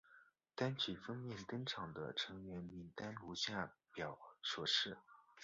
单曲封面登场的成员名单如下表所示。